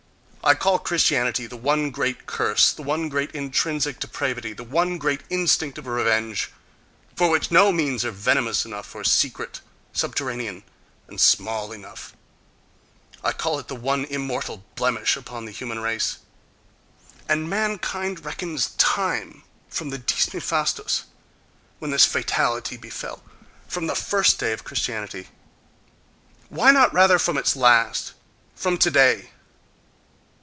I call Christianity the one great curse, the one great intrinsic depravity, the one great instinct of revenge, for which no means are venomous enough, or secret, subterranean and small enough,—I call it the one immortal blemish upon the human race.... And mankind reckons time from the dies nefastus when this fatality befell—from the first day of Christianity!—Why not rather from its last?—From today?